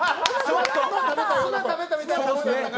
砂食べたみたいな声してたんか。